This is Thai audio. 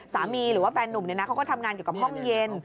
สามีหรือว่าแฟนหนุ่มนี่นะเขาก็ทำงานอยู่กับห้องเย็น